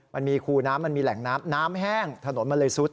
มันมีคูน้ำมันมีแหล่งน้ำน้ำแห้งถนนมันเลยซุด